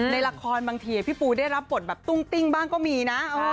ในละครบางทีพี่ปูได้รับบทแบบตุ้งติ้งบ้างก็มีนะ